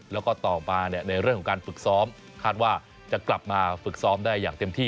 แล้วก็ต่อมาในเรื่องของการฝึกซ้อมคาดว่าจะกลับมาฝึกซ้อมได้อย่างเต็มที่